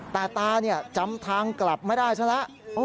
แต่ตาจำทางกลับไม่ได้ซะแล้ว